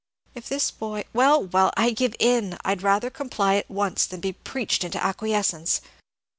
If this boy " "Well well I give in. I'd rather comply at once than be preached into acquiescence.